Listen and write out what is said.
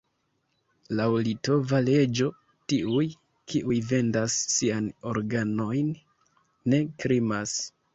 Laŭ litova leĝo tiuj, kiuj vendas sian organojn, ne krimas.